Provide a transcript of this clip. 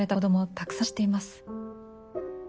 たくさん知っています。